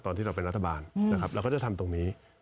ตอนที่เราเป็นรัฐบาลนะครับเราก็จะทำตรงนี้